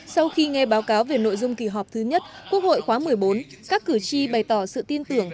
sau khi nghe báo cáo về nội dung kỳ họp thứ nhất quốc hội khóa một mươi bốn các cử tri bày tỏ sự tin tưởng